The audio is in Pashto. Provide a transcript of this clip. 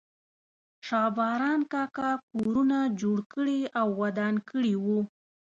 شا باران کاکا کورونه جوړ کړي او ودان کړي وو.